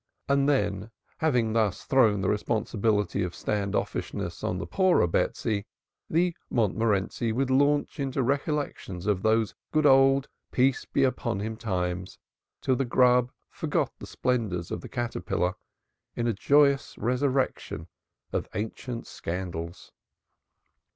And then, having thus thrown the responsibility of stand offishness on the poorer Betsy, the Montmorenci would launch into recollections of those good old "Peace be upon him" times till the grub forgot the splendors of the caterpillar in a joyous resurrection of ancient scandals.